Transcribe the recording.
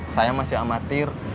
saya masih amatir